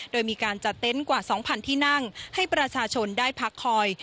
โดยมีการจัดเน้นกว่าสองพันธุ์ที่นั่งให้ประชาชนได้พักคอย